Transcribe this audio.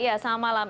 iya selamat malam